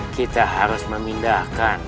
kita harus memindahkan